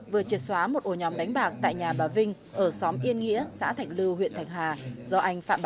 vừa triệt xóa một ổ nhóm đánh bạc tại nhà bà vinh ở xóm yên nghĩa xã thạch lưu huyện thạch hà